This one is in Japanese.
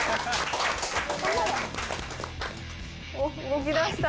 動きだした。